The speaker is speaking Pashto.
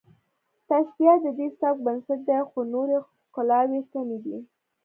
تشبیه د دې سبک بنسټ دی خو نورې ښکلاوې کمې دي